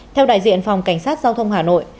theo đại diện phòng cảnh sát giao thông hà nội